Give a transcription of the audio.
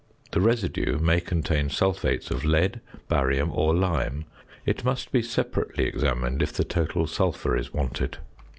The residue may contain sulphates of lead, barium, or lime; it must be separately examined, if the total sulphur is wanted.